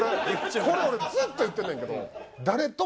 これ俺ずっと言ってんねんけど。